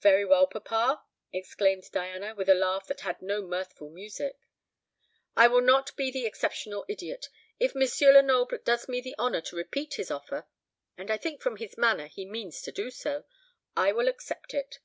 "Very well, papa," exclaimed Diana, with a laugh that had no mirthful music, "I will not be the exceptional idiot. If M. Lenoble does me the honour to repeat his offer and I think from his manner he means to do so I will accept it."